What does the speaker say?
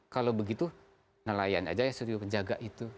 kalau begitu nelayan aja ya sudah di penjaga itu